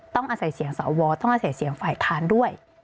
ต้องอาศัยเสียงสวต้องอาศัยเสียงฝ่ายค้านด้วย